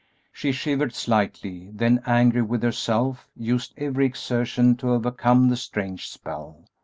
She shivered slightly, then, angry with herself, used every exertion to overcome the strange spell.